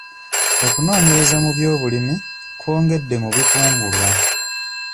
Okunoonyeraza mu byobulimi kwongedde mu bikungulwa.